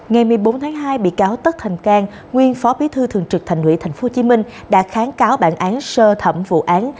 ngày một mươi bốn tháng hai bị cáo tất thành cang nguyên phó bí thư thường trực thành ủy tp hcm đã kháng cáo bản án sơ thẩm vụ án